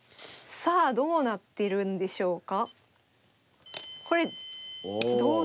さあどうなってるんでしょうか。